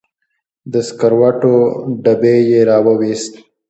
د سګریټو ډبی یې راوویست.